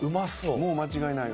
「もう間違いないわ」